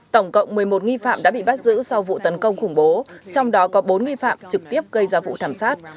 tổng cộng một mươi một nghi phạm đã bị bắt giữ sau vụ tấn công khủng bố trong đó có bốn nghi phạm trực tiếp gây ra vụ thảm sát